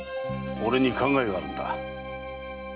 俺に考えがあるんだ。